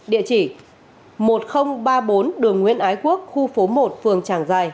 địa chỉ một nghìn ba mươi bốn đường nguyễn ái quốc khu phố một phường tràng giài